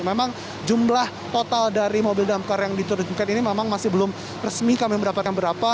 memang jumlah total dari mobil damkar yang diterjunkan ini memang masih belum resmi kami mendapatkan berapa